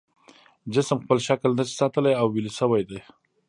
جسم خپل شکل نشي ساتلی او ویلې شوی دی.